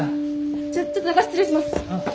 ちょっと中失礼します。